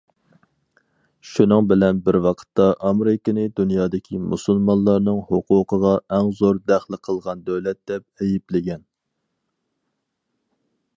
شۇنىڭ بىلەن بىر ۋاقىتتا ئامېرىكىنى دۇنيادىكى مۇسۇلمانلارنىڭ ھوقۇقىغا ئەڭ زور دەخلى قىلغان دۆلەت دەپ ئەيىبلىگەن.